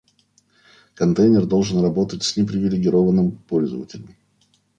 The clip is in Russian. Контейнер должен работать с непривилегированным пользователем